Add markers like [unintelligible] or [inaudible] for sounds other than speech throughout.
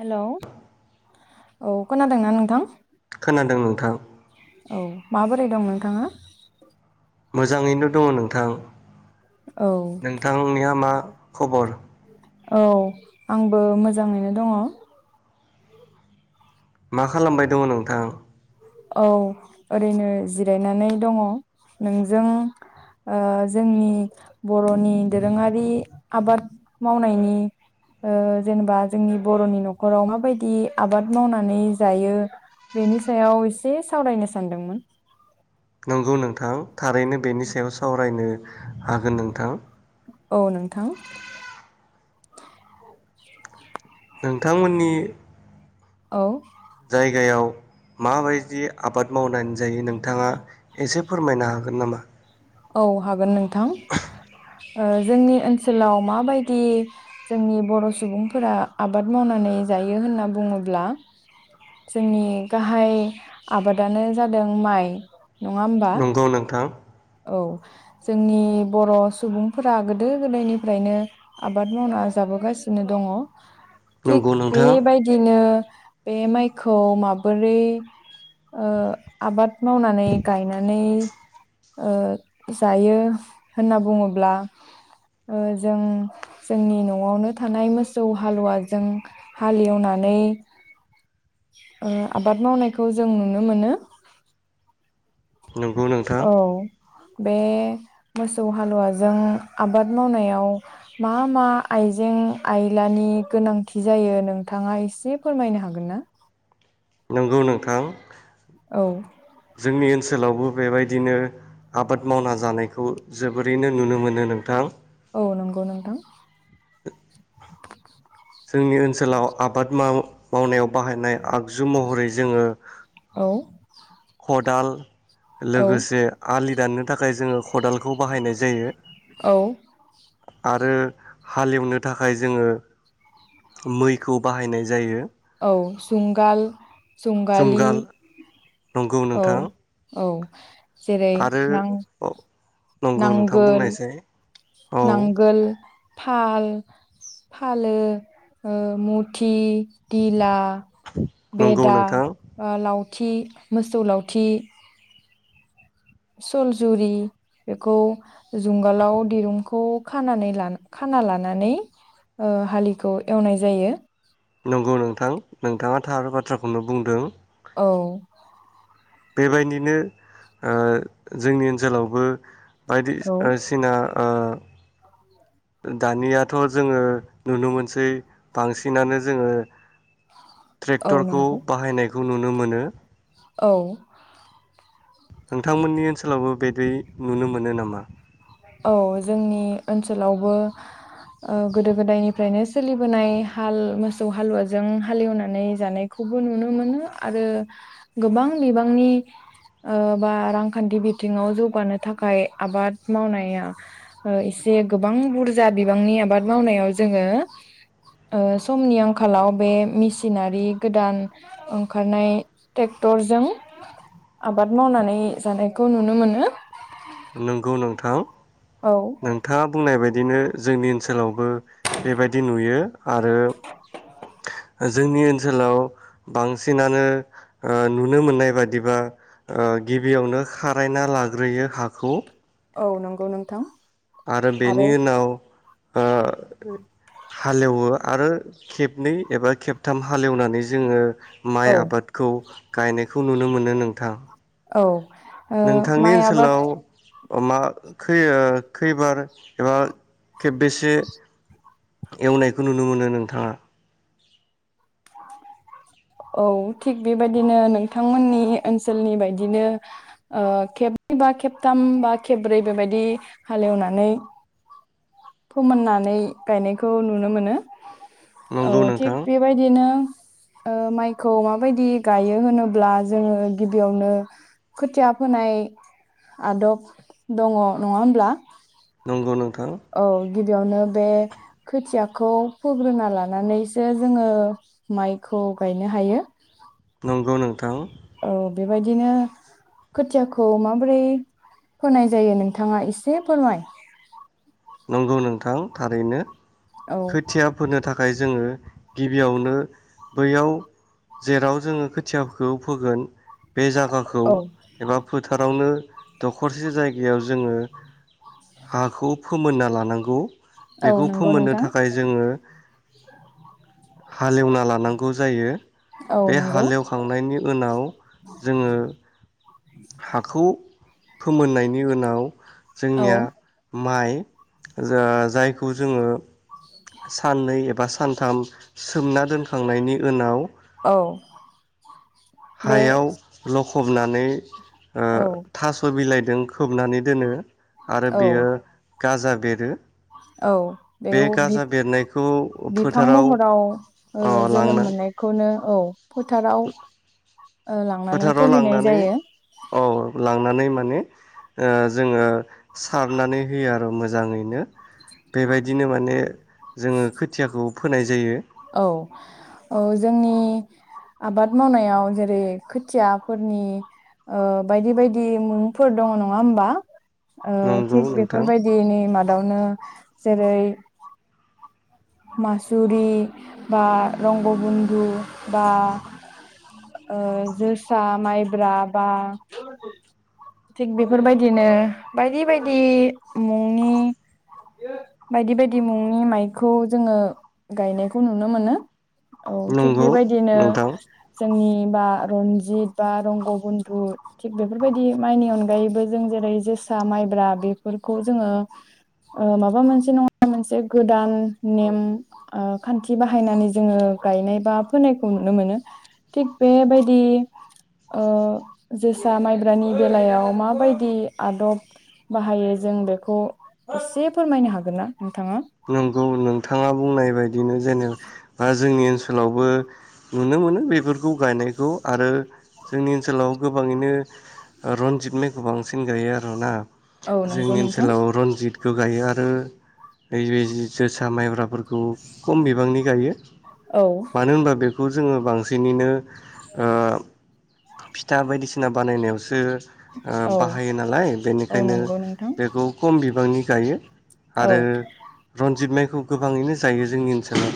Hello औ खोनादोंना नोंथां? खोनादों नोंथां। औ माबोरै दं नोंथाङा? मोजाङैनो दङ नोंथां। औ नोंथांनिया मा? खबर औ आंबो मोजाङैनो दङ। मा खालामबाय दङ नोंथां? औ ओरैनो जिरायनानै दङ नोंजों ओ जोंनि बर'नि दोरोङारि आबाद मावनायनि ओ जेनेबा जोंनि बर'नि न'खराव माबायदि आबाद मावनानै जायो बेनि सायाव एस से सावरायनो सानदोंमोन। नंगौ नोंथां थारैनो बेनि सायाव सावरायनो हागोन नोंथां। औ नोंथां नोंथांमोननि औ जायगायाव माबायदि आबाद मावनानै जायो नोंथाङा एसे फोरमायनो हागोन नामा औ हागोन नोंथां ओ जोंनि ओनसोलाव माबायदि जोंनि बर' सुबुंफोरा आबाद मावनानै जायो होनना बुङोब्ला जोंनि गाहाय आबादानो जादों माइ। नङा होमबा नंगौ नोंथां औ जोंनि बर' सुबुंफोरा गोदो गोदायनिफ्रायनो आबाद मावना जाबोगासिनो दङ थिग नंगौ नोंथां बेबायदिनो बे माइखौ माबोरै ओ आबाद मावनानै गायनानै ओ जायो होनना बुङोब्ला ओ जों जोंनि न'आवनो थानाय मोसौ हालुवाजों हालेएवनानै ओ आबाद मावनायखौ जों नुनो मोनो नोंगौ नोंथां औ बे मोसौ हालुवाजों आबाद मावनायाव मा मा आइजें आयलानि गोनांथि जायो नोंथाङा एसे फोरमायनो हागोन ना? नंगौ नोंथां औ जोंनि ओनसोलावबो बेबायदिनो आबाद मावना जानायखौ जोबोरैनो नुनो मोनो नोंथां औ नंगौ नोंथां जोंनि ओनसोलाव आबाद माव -मावनायाव बाहायनाय आगजु महरै जोङो औ खदाल औ लोगोसे आलि दाननो थाखाय जोङो खदाल खौ बाहायनाय जायो औ आरो हालेएवनो थाखाय जोङो मैखौ बाहायनाय जायो औ जुंगाल जुंगालि जुंगाल नंगौ औ नोंथां औ जेरै आरो नां औ नंगौ नोंथां नांगोल बुंनायसै औ नांगोल फाल फालो ओ मुथि गिला नंगौ बेदा नोंथां ओ लाव थि मोसौ लावथि सलजुरि बेखौ जुंगालाव दिरुंखौ खानानै लाना खाना लानानै ओ हालिखौ एवनाय जायो। नोंगौ नोंथां नोंथाङा थार बाथ्राखौनो बुंदों। औ बेबायदिनो ओ जोंनि ओनसोलावबो बायदि औ ओ सिना ओ दानियाथ' जोङो नुनो मोनसै बांसिनानो जोङो औ ट्रेक्टरखौ नंगौ बाहायनाय। खौ नुनो मोनो औ नोंथांमोननि ओनसोलावबो बेदि नुनो मोनो नामा? औ जोंनि ओनसोलावबो ओ गोदो गोदायनिफ्रायनो सोलिबोनाय हाल मोसौ हालुवाजों हालेवनानै जानायखौबो नुनो मोनो आरो गोबां बिबांनि ओ बा रांखान्थि बिथिङाव जौगानो थाखाय आबाद मावनाय एसे गोबां बुरजा बिबांनि आबाद मावनायाव जोङो ओ समनि आंखालाव बे मेसिनारि गोदान ओंखारनाय ट्रेक्टरजों आबाद मावनानै जानायखौ नुनो मोनो। नंगौ नोंथां। औ नोंथाङा बुंनाय बायदिनो जोंनि ओनसोलाव बो बेबायदि नुयो आरो जोंनि ओनसोलाव बांसिनानो ओ नुनो मोननाय बादिबा ओ गिबियावनो खारायना लाग्रोयो हा। खौ औ नंगौ नोंथां। आरो बेनि उनाव ओ हालेवो आरो खेबनै एबा खेबथाम हालेवनानै जोङो। माइ औ आबादखौ गायनायखौ नुनो मोनो नोंं थां औ नोंथांनि माइ आबाद ओनसोलाव? मा खैबार एबा खेबबैसे एवनायखौ नुनो मोनो नोंथाङा? औ थिग बेबायदिनो नोंथांमोननि ओनसोलनि बायदिनो ओ खेबबै बा खेबथाम बा खेबब्रै बेबायदि हालेवनानै फोमोननानै गायनायखौ नुनो मोनो। औ नंगौ थिग नोंथां बेबायदिनो। ओ माइखौ माबायदि गायो होनोब्ला जोङो गिबियावनो खोथिया फोनाय आदब दङ नङा होमब्ला? नंगौ नोंथां। औ गिबियावनो बे खोथियाखौ फोग्रोना लानानैसो जोङो माइखौ गायनो हायो। नंगौ नोंथां। औ बेबायदिनो खोथियाखौ माबोरै होनाय जायो नोंथाङा एसे फोरमाय। नंगौ नोंथां थारैनो औ खोथिया फोनो था थाखाय जोङो गिबियावनो बैयाव जेराव जोङो खोथियाखौ फोगोन। बे जागाखौ औ एबा फोथारावनो दखरसे जायगायाव जोङो हाखौ फोमोनना लानांगौ औ बेखौ नंगौ फोमोननो नोंथां थाखाय जोङो हालेवना लानांगौ जायो औ बे नंगौ हाल एवखांनायनि ओनाव जोङो हाखौ फोमोननायनि ओनाव औ जोंनिया माइ जा जायखौ जोङो साननै एबा सानथाम सोमना दोनखांनायनि ओनाव औ बे हायाव ल फबनानै ओ औ थास' बिलाइदों खोबनानै दोनो आरो औ बेयो गाजा बेरो औ बे बेयाव गाजा बेरनायखौ बि-बिफां फोथाराव महराव ओ अ जोनोम लांना मोननायखौनो औ फोथाराव ओ लांनानै फोथाराव फोहैनाय लांनानै जायो। औ लांनानै माने ओ जोङो सारनानै होयो आरो मोजां जाङैनो बेबायदिनो माने जोङो खोथियाखौ फोनाय जायो औ औ जोंनि आबाद मावनायाव जेरै खोथियाफोरनि ओ बायदि बायदि मुंफोर दङ नङा होमबा ओ नंगौ थिग नोंथां बेफोरबायदिनि मादावनो जेरै मासुरि बा रंगबन्धु बा ओ जोसा माइब्रा बा थिग बेफोरबायदिनो बायदि बायदि मुंनि बायदि बायदि मुंनि माइख खौ जोङो गायनायखौ नुनो मोनो। औ थिग नंगौ बेबायदिनो नोंथां जोंनि बा रनजित बा रंग बन्धु थिक बेफोरबायदि माइनि अनगायैबो जों जेरै जोसा माइब्रा बेफोरखौ जोङो ओ माबा मोनसे नङा मोनसे गोदान नेम ओ खान्थि बाहायनानै जोङो गायनाय बा फोनायखौ नुनो मोनो थिग बेबायदि ओ जोसा माइब्रानि बेलायाव माबायदि आदब बाहायो जों बेखौ एसे फोरमायनो हागोन ना नोंथाङा नंगौ नोंथाङा बुंनाय बायदिनो जेनेबा जोंनि ओनसोलावबो नुनो मोनो बेफोरखौ गायनायखौ आरो जोंनि ओनसोलाव गोबाङैनो रनजित माइखौ बांसिन गायो आरुना औ नंगौ जोंनि नोंथां ओनसोलाव रनजित खोगायो आरो ओइ बै जोसा माइब्राफोरखौ खम बिबांनि गायो। औ मानो होमबा बेखौ जोङो बांसिनिनो ओ फिथा बायदिसिना बानायनायावसो ओ औ बाहायो नालाय औ बेनिखायनो नंगौ नोंथां बेखौ खम बि ननिगाययो औ आरो रनजित माइखौ गोबाङैनो जायो जोंनि ओनसोल [unintelligible]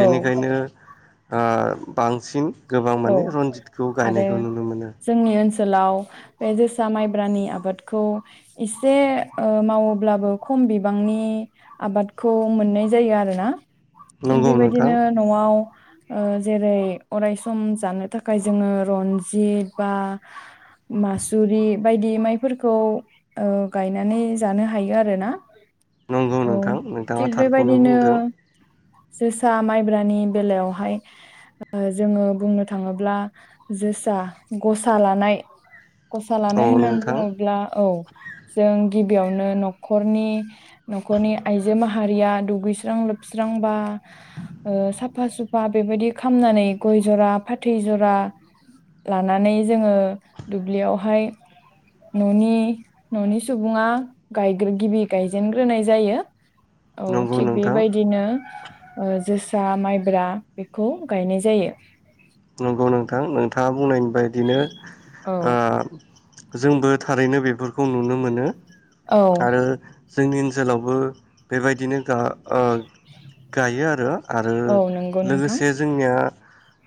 औ आ बांसिन गोबां औ माने रन्जितखौ गायनायखौ नुनो मोनो। सोलाव बे जोसा माइब्रानि आबादखौ एसे ओ मावोब्लाबो खम बिबांनि आबादखौ मोननाय जायो आरोना थिग नंगौ नोंथां बेबायदिनो न'आव ओ जेरै अरायस सम जानो थाखाय जोङो रनजित बा मासुरि बायदि माइफोरखौ ओ गायनानै जानो नंगौ औ नोंथां नोंथाङा थिग थारखौनो बेबायदिनो बुंदों जोसा माइब्रानि बेलायावहाय ओ जोङो बुंनो थाङोब्ला जोसा गसा लानाय गसा औ लानाय होननानै नोंथां बुङोब्ला औ जों गिबियावनो न'खरनि न'खरनि आइजो माहा हारिया दुगैस्रां लोबस्रांबा ओ साफा सुफा बेबायदि खामनानै गय ज'रा फाथै जरा लानानै जोङो दुब्लियावहाय न'नि न'नि सुबुङा गायग्रो गिबि गायजेनग्रोनाय जायो। औ नंगौ थिग नोंथां बेबायदिनो ओ जोसा माइब्रा बेखौ गायनाय जायो। नंगौ नोंथां नोंथाङा बुंनायनि बायदिनो औ ओ जोंबो थारैनो बेफोरखौ नुनो मोनो औ आरो जोंनि ओनसोलावबो बेबायदिनो गा ओ गायो आरो आरो औ नंगौ नोंथां लोगोसे जोंनिया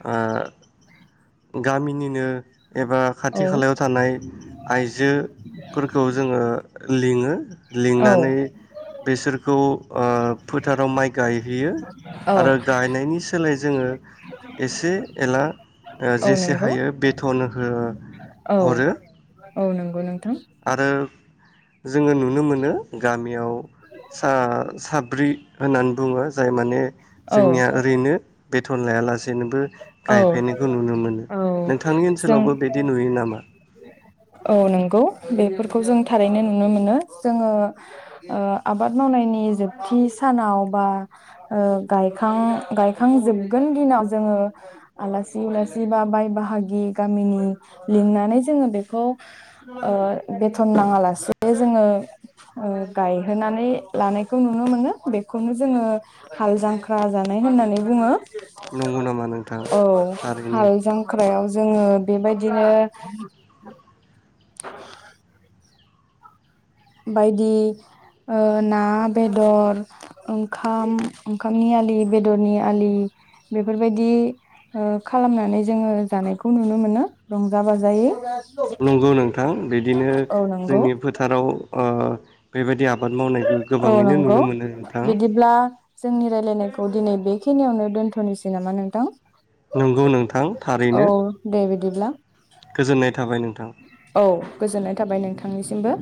आ गामिनिनो एबा औ खाथि खालायाव थानाय आइजोफोरखौ जोङो लिङो औ लिंनानै बेसोरखौ ओ फोथाराव माइ गायहोयो। औ आरो गायनायनि सोलाय जोङो एसे एला ओ औ जेसे नंगौ हायो बे थन हो औ हरो औ नंगौ नोंथां आरो जोङो नुनो मोनो गामियाव सा साब ब्रि होननानै बुङो जाय माने औ जोंनिया ओरैनो बेथन लायालासेनोबो औ गायफैनायखौ नुनो मोनो औ नोंथांनि जों ओनसोलावबो बिदि नुयो नामा? औ नंगौ बेफोरखौ जों थारैनो नुनो मोनो जोङो ओ आबाद मावनायनि जोबथि सानाव बा ओ गायखां गायखांजोबगोन दिनाव जोङो आलासि उलासि बा बाय बाहागि गामिनि लिंनानै जोङो बेखौ बेथन ओ नाङा लासे जोङो ओ गायहोनानै लानायखौ नुनो मोनो बेखौनो जोङो हाल जांख्रा जानाय होननानै बुङो। नंगौ नामा नोंथां औ थारैनो हाल जांख्रायाव जोङो बेबायदिनो [inaudible] [inaudible] बायदि ओ ना बेदर ओंखाम ओंखामनि आलि बेदरनि आलि बेफोरबायदि ओ खालामनानै जोङो जानायखौ नुनो मोनो रंजा बाजायै नंगौ नोंथां बिदिनो औ नंगौ जोंनि फोथाराव अ बेबायदि आबाद मावनायखौ औ गोबाङैनो नंगौ नुनो मोनो नोंथां। बिदिब्ला जोंनि रायलायनायखौ दिनै बेखिनियावनो दोन्थ'नोसै नामा नोंथां नंगौ नोंथां औ थारैनो दे बिदिब्ला गोजोननाय थाबाय नोंथां गोजोन्नाय थाबाय नोंथांनिसिमबो